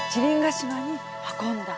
島に運んだ。